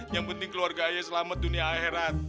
yang penting keluarga ayo selamat dunia akhirat